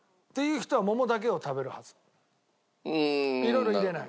色々入れない。